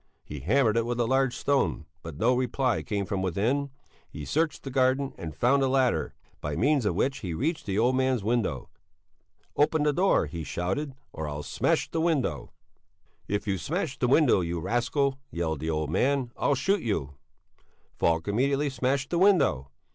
He hammered it with a large stone, but no reply came from within; he searched the garden and found a ladder, by means of which he reached the old man's window. Open the door, he shouted, or I'll smash the window! "If you smash the window, you rascal," yelled the old man, "I'll shoot you!" Falk immediately smashed the window.